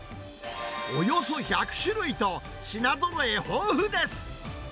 およそ１００種類と、品ぞろえ豊富です。